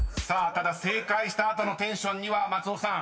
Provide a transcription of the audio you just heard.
［ただ正解した後のテンションには松尾さん